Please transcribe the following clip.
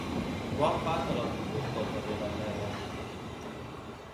Quan passa l'autobús pel carrer Verneda?